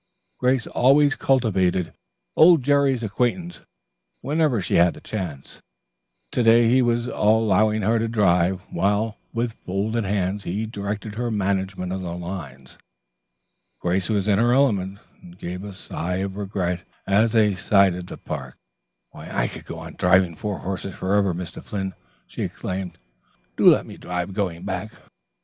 Grace always cultivated old Jerry's acquaintance whenever she had the chance. To day he was allowing her to drive, while, with folded hands, he directed her management of the lines. Grace was in her element and gave a sigh of regret as they sighted the park. "I could go on driving four horses forever, Mr. Flynn," she exclaimed. "Do let me drive going back?"